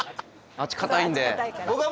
あっち硬いから。